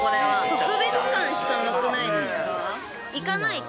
特別感しかなくないですか？